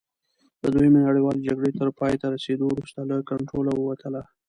د دویمې نړیوالې جګړې تر پایته رسېدو وروسته له کنټروله ووتله.